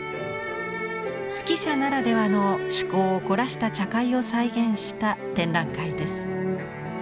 数寄者ならではの趣向を凝らした茶会を再現した展覧会です。